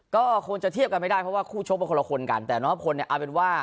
ก็คงจะเทียบกันไม่ได้เพราะว่าคู่ชกมันคนละคนกันแต่น้องพลเนี่ยเอาเป็นว่า